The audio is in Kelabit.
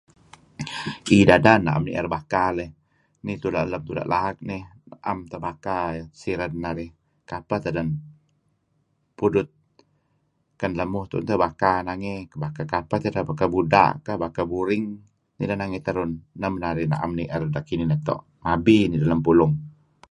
Kii... dadan na'em ni'er baka leyh. Nih tuda', lem tuda' laak nih 'em teh baka iih... siren narih. Kapeh teden... pudut... ken lemuh tun teh baka nangey. Baka kapeh tideh. Baka buda' kah? Baka buring nideh nangey terun. Neh men narih na'em ni'er deh kinih neto'. Mabi nideh lem pulung.